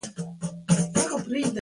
د خیر نیت انسان لوړوي.